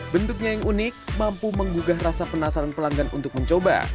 bentuknya yang unik mampu menggugah rasa penasaran pelanggan untuk mencoba